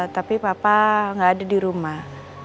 tapi papa nggak ada di rumah